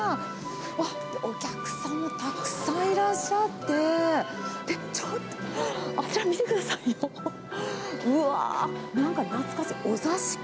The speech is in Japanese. お客さんもたくさんいらっしゃって、ちょっと、あちら見てくださいよ、うわー、なんか懐かしい、お座敷。